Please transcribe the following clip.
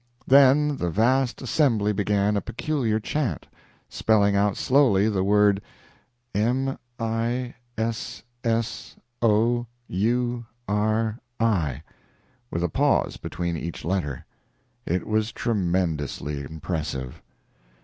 Then the vast assembly began a peculiar chant, spelling out slowly the word M i s s o u r i, with a pause between each letter. It was tremendously impressive.